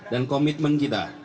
dan komitmen kita